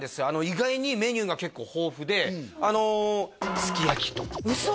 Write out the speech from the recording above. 意外にメニューが結構豊富であのすき焼きと嘘！？